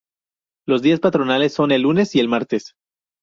Los días patronales son el lunes y el martes.